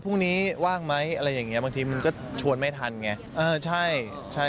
ว่างไหมอะไรอย่างเงี้บางทีมันก็ชวนไม่ทันไงเออใช่ใช่